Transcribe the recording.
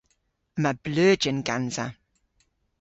Yma bleujen gansa.